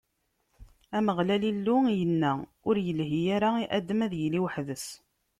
Ameɣlal Illu yenna: Ur ilhi ara i Adam ad yili weḥd-s.